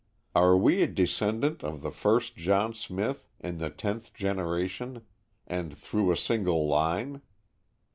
Are we a descendant of the first John Smith, in the tenth generation and through a single line?